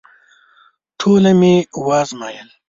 ټوله مي وازمایل …